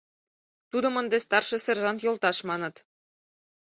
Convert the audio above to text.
Тудым ынде «старший сержант йолташ» маныт.